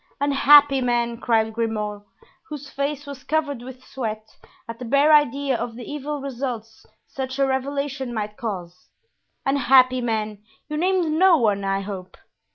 "Unhappy man!" cried Grimaud, whose face was covered with sweat at the bare idea of the evil results such a revelation might cause; "unhappy man, you named no one, I hope?"